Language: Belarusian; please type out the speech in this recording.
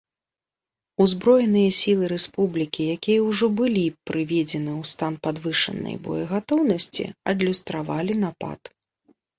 Узброеныя сілы рэспублікі, якія ўжо былі прыведзены ў стан падвышанай боегатоўнасці, адлюстравалі напад.